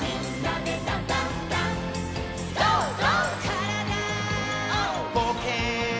「からだぼうけん」